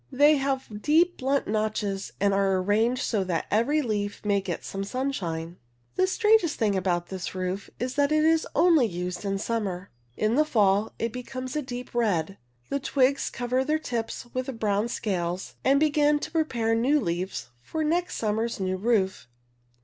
They have deep blunt notches and are arranged so that every leaf may get some sunshine (Fig. i). '' ^r^STAmrirHctT The strangest thing about this kin: *, PEDOic.E'i i Q^f jg ^[^3^ i( jg yged Ottly in summer. cws In the fall it becomes a deep red. The twigs cover their tips with brown scales and begin to prepare new leaves for next summer's new roof.